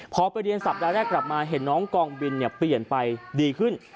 พอไปเรียนสัปดาห์แรกกลับมาเห็นน้องกองบินเปลี่ยนไปดีขึ้น